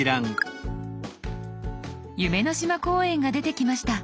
「夢の島公園」が出てきました。